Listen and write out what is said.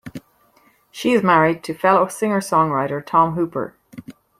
She is married to fellow singer-songwriter Tom Hooper.